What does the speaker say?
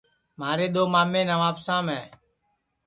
مھارے دؔو مامیں نوابشام ہے